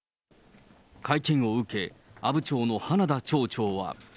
会見を受け、阿武町の花田町長は。